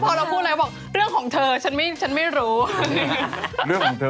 พอเราพูดอะไรเรื่องของเธอ